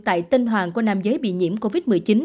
tại tinh hoàng của nam giới bị nhiễm covid một mươi chín